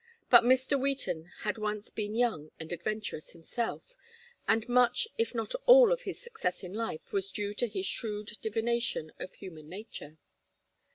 But Mr. Wheaton had once been young and adventurous himself, and much if not all of his success in life was due to his shrewd divination of human nature.